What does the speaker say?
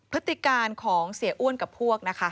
พฤติการของเสียอ้วนกับพวกนะคะ